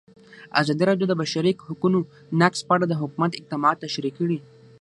ازادي راډیو د د بشري حقونو نقض په اړه د حکومت اقدامات تشریح کړي.